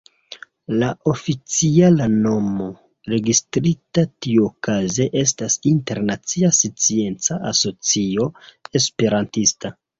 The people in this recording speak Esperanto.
La oficiala nomo, registrita tiuokaze estas Internacia Scienca Asocio Esperantista.